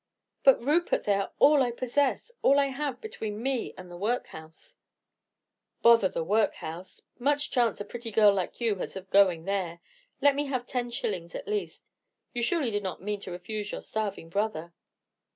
"But, Rupert, they are all I possess, all I have between me and the workhouse." "Bother the workhouse! Much chance a pretty girl like you has of going there. Let me have ten shillings at least. You surely do not mean to refuse your starving brother?"